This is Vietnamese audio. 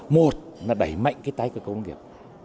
một là đẩy mạnh tay của công nghiệp